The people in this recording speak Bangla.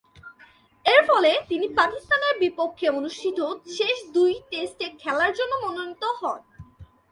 এরফলে তিনি পাকিস্তানের বিপক্ষে অনুষ্ঠিত শেষ দুই টেস্টে খেলার জন্য মনোনীত হন।